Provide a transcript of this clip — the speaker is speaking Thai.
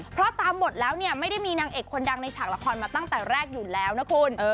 เพราะตามบทแล้วเนี่ยไม่ได้มีนางเอกคนดังในฉากละครมาตั้งแต่แรกอยู่แล้วนะคุณ